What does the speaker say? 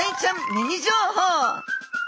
ミニ情報。